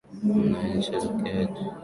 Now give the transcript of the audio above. mnaisherehekea aje hapo westlands nairobi